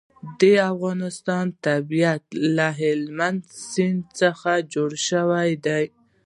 د افغانستان طبیعت له هلمند سیند څخه جوړ شوی دی.